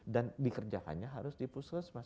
dan dikerjakannya harus di puskesmas